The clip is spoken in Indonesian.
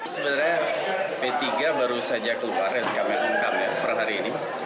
sebenarnya p tiga baru saja keluar dari sekamang kamang per hari ini